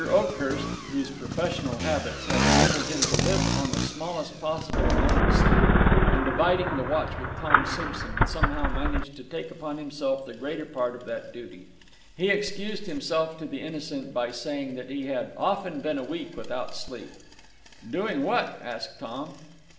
Oakhurst, whose professional habits had enabled him to live on the smallest possible amount of sleep, in dividing the watch with Tom Simson somehow managed to take upon himself the greater part of that duty. He excused himself to the Innocent by saying that he had "often been a week without sleep." "Doing what?" asked Tom.